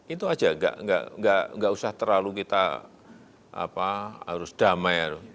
itu saja enggak usah terlalu kita apa harus damai